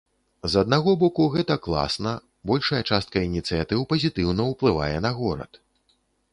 З аднаго боку, гэта класна, большая частка ініцыятыў пазітыўна ўплывае на горад.